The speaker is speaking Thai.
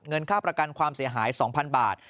ค่าประกันความเสียหาย๒๐๐๐บาท